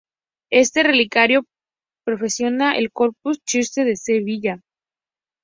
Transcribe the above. Este relicario procesiona en el Corpus Christi de Sevilla.